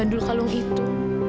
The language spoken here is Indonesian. ada di dalam kalung ini